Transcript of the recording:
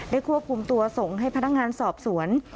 ควบคุมตัวส่งให้พนักงานสอบสวน